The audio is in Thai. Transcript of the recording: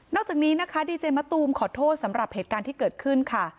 จากนี้นะคะดีเจมะตูมขอโทษสำหรับเหตุการณ์ที่เกิดขึ้นค่ะ